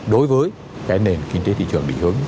đối với cái nền kinh tế thị trường định hướng